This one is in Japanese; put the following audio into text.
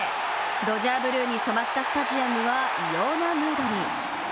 ドジャーブルーに染まったスタジアムは異様なムードに。